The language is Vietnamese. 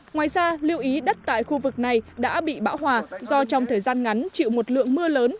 ngoài ra lưu ý đất tại khu vực này đã bị bão hòa do trong thời gian ngắn chịu một lượng mưa lớn